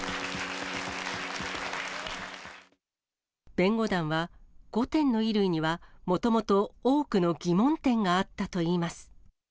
弁護団は、５点の衣類にはもともと多くの疑問点があったといいます。